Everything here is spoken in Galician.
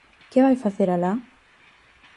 _¿Que vai facer alá?